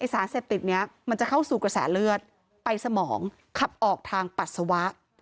สารเสพติดนี้มันจะเข้าสู่กระแสเลือดไปสมองขับออกทางปัสสาวะ